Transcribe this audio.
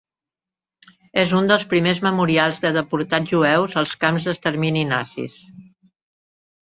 És un dels primers memorials de deportats jueus als camps d'extermini nazis.